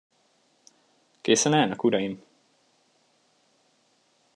Készen állnak, uraim?